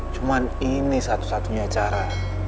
cuma ini satu satunya cara